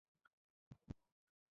পাগলের মতো কথা বলো না।